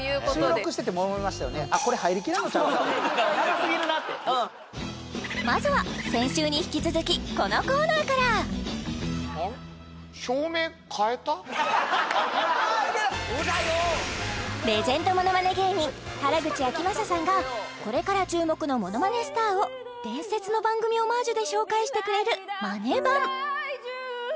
そう思ってた思ってたうん長過ぎるなってまずは先週に引き続きこのコーナーからレジェンドものまね芸人原口あきまささんがこれから注目のものまねスターを伝説の番組オマージュで紹介してくれる「まねばん」